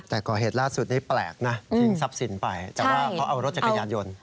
แต่ก่อเหตุล่าสุดนี้แปลกนะทิ้งทรัพย์สินไปแต่ว่าเขาเอารถจักรยานยนต์